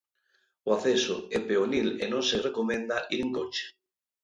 O acceso é peonil e non se recomenda ir en coche.